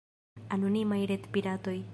anonimaj retpiratoj